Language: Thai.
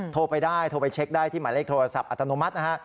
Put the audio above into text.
โทรไปได้โทรไปเช็คได้ที่หมายเลขโทรศัพท์อัตโนมัตินะฮะ